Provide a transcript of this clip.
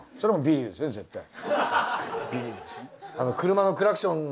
車のクラクション。